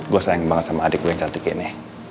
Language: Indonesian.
gue sayang banget sama adik gue yang cantik ini